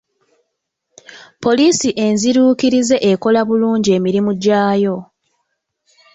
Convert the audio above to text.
Poliisi enziruukirize ekola bulungi emirimu gyayo.